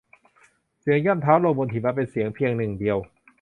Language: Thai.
เสียงย่ำเท้าลงบนหิมะเป็นเสียงเพียงหนึ่งเดียว